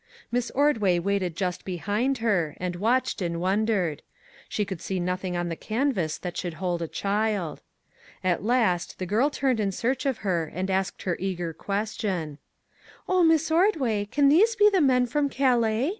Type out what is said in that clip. Miss Ordway waited just behind her, and watched and wondered. She could see nothing on the canvas that should hold a child. At last the girl turned in search of her and asked her eager question :" Oh, Miss Ordway, can these be the men from Calais